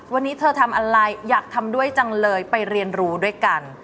วันนี้เธอทำอะไรอยากทำด้วยจังเลยไปเรียนรู้ด้วยกัน